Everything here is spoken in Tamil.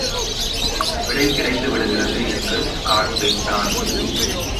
விடைகிடைத்து விடுகிறது! என்று காண்பித்தான்.